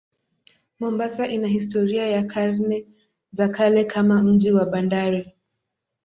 Mombasa ina historia ya karne za kale kama mji wa bandari.